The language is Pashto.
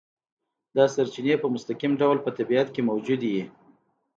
دا سرچینې په مستقیم ډول په طبیعت کې موجودې وي.